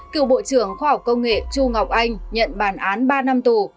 cựu bộ trưởng khoa học công nghệ chu ngọc anh nhận bản án ba năm tù